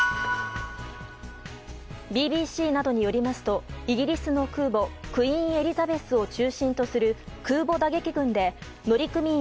ＢＢＣなどによりますとイギリスの空母「クイーン・エリザベス」を中心とする空母打撃群で乗組員